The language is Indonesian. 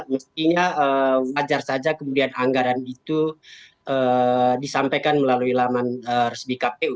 mestinya wajar saja kemudian anggaran itu disampaikan melalui laman resmi kpu